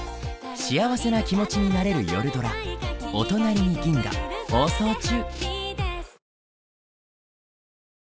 幸せな気持ちになれる夜ドラ「おとなりに銀河」放送中。